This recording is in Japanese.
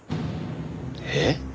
えっ？